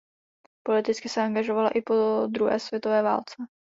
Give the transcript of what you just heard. Politicky se angažovala i po druhé světové válce.